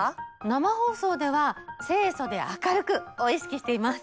生放送では清楚で明るく！を意識しています。